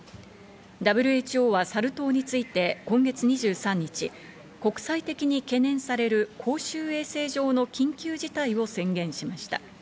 ＷＨＯはサル痘について今月２３日、国際的に懸念される公衆衛生上の緊急事態を宣言しました。